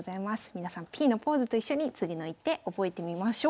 皆さんＰのポーズと一緒に次の一手覚えてみましょう。